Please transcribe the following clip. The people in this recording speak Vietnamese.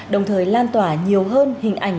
đồng thời lan tỏa nhiều hơn hình ảnh